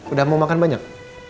udah mau makan banyak